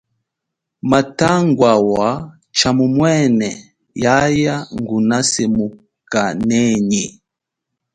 Matangwawa tshamumwene yaya nguna semukanenyi.